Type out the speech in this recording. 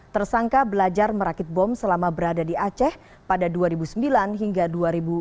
tersangka belajar merakit bom selama berada di aceh pada dua ribu sembilan hingga dua ribu empat belas